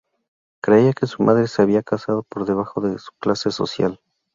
Creía que su madre se había casado por debajo de su clase social.